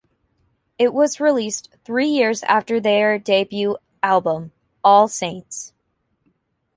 It was released three years after their debut album, "All Saints".